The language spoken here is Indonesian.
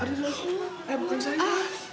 eh bukan saya